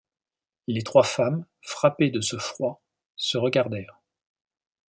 Les trois femmes, frappées de ce froid, se regardèrent.